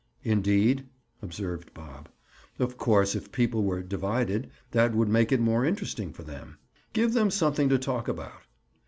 "Indeed?" observed Bob. Of course if people were "divided," that would make it more interesting for them. Give them something to talk about!